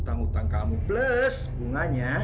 terima kasih peluang